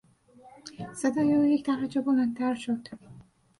صدای او یک درجه بلندتر شد.